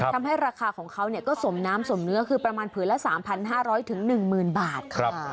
ทำให้ราคาของเขาก็สมน้ำสมเนื้อคือประมาณผืนละ๓๕๐๐๑๐๐๐บาท